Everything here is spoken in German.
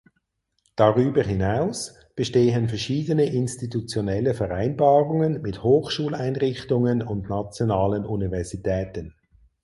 Darüber hinaus bestehen verschiedene institutionelle Vereinbarungen mit Hochschuleinrichtungen und nationalen Universitäten.